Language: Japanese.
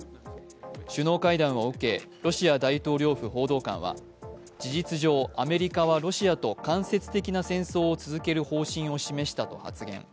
首脳会談を受けロシア大統領府報道官は事実上、アメリカはロシアと間接的な戦争を続ける方針を示したと発言。